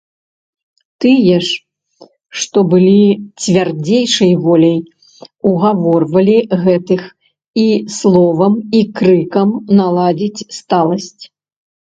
Тыя ж, што былі цвярдзейшыя воляй, угаворвалі гэтых і словам і крыкам наладзіць сталасць.